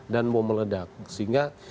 dan mau meledak sehingga